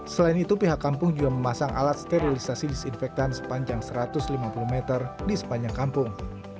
selain itu pihak kampung juga memasang alat sterilisasi disinfektan sepanjang satu ratus lima puluh meter di sepanjang kampung